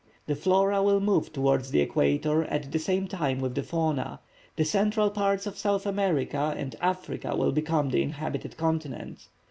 The flora will move towards the equator at the same time with the fauna, the central parts of South America and Africa will become the inhabited continent.